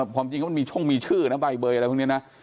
ความจริงเขามันมีช่องมีชื่อนะใบเบอร์อะไรพวกนี้นะ